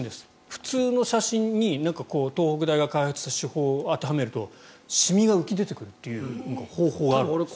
普通の写真に東北大が開発した手法を当てはめるとシミが浮き出てくるという方法がある。